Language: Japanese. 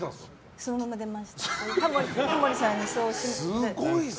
そのまま出ました。